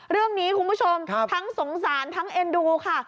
เรื่องนี้คุณผู้ชมทั้งสงสารทั้งเอ็นดูค่ะ